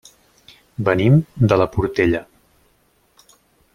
Venim de la Portella.